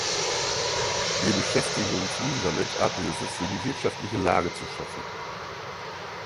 Wir beschäftigen uns nun damit, Abhilfe für die wirtschaftliche Lage zu schaffen.